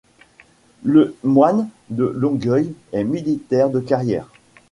Le Moyne de Longueuil est militaire de carrière.